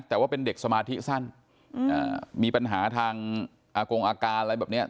แต่ว่าเป็นเด็กสมาธิสั้นมีปัญหาทางอากงอาการอะไรแบบเนี้ย